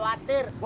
gue kasihan mulu